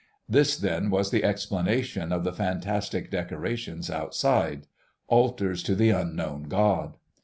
This, then, was the explanation of the fantastic decorations outside. Altars to the unknown God!